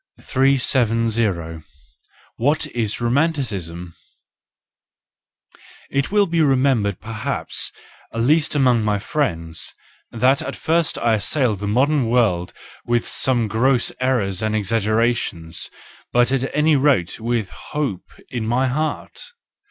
... 370 . What is Romanticism ?—It will be remembered perhaps, at least among my friends, that at first I assailed the modern world with some gross errors and exaggerations, but at any rate with hope in my heart.